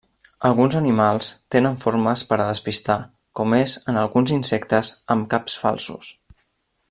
Alguns animals tenen formes per a despistar com és en alguns insectes amb caps falsos.